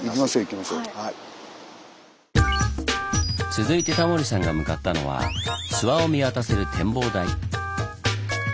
続いてタモリさんが向かったのは諏訪を見渡せる展望台。